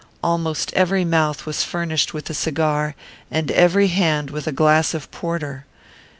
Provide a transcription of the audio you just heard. Almost every mouth was furnished with a cigar, and every hand with a glass of porter.